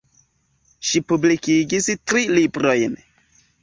Ŝi publikigis tri librojn.